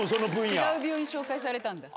違う病院紹介されたんだ。